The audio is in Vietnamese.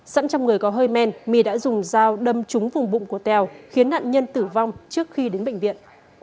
sẵn trong người có hơi men my đã dùng dao đâm trúng vùng bụng của tèo khiến nạn nhân tử vong trước khi đến bệnh viện